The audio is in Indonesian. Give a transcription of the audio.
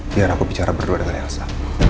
biar aku bicara berdua dengan elsa